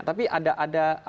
tapi ada batasnya